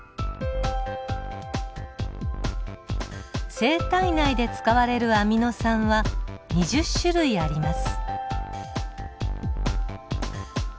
生体内で使われるアミノ酸は２０種類あります。